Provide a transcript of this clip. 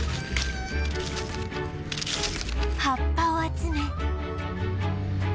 葉っぱを集め